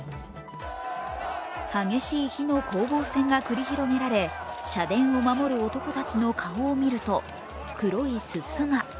激しい火の攻防戦が繰り広げられ、社殿を守る男たちの顔を見ると黒いすすが。